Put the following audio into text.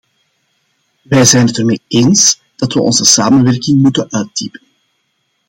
Wij zijn het ermee eens dat we onze samenwerking moeten uitdiepen.